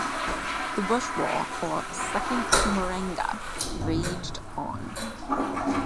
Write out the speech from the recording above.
The Bush War or "Second Chimurenga" raged on.